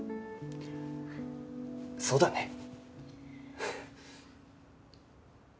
そうだね。